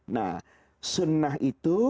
nah sunnah itu